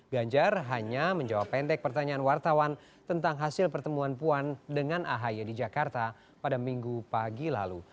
ganjar hanya menjawab pendek pertanyaan wartawan tentang hasil pertemuan puan dengan ahy di jakarta pada minggu pagi lalu